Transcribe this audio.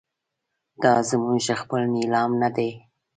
دا زموږ خپل نیلام نه دی.